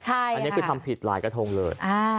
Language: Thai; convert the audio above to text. อันนี้คือทำผิดหลายกระทงเลย